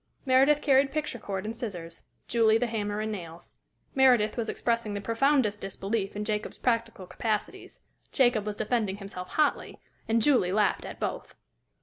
Meredith carried picture cord and scissors; Julie the hammer and nails. Meredith was expressing the profoundest disbelief in Jacob's practical capacities; Jacob was defending himself hotly; and Julie laughed at both.